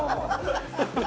ハハハハ！